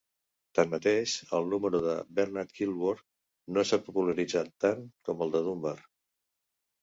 Tanmateix, el número de Bernard-Killworth no s'ha popularitzat tant com el de Dunbar.